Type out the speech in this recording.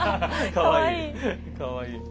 かわいい。